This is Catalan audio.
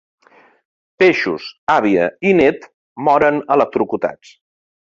Peixos, àvia i net moren electrocutats.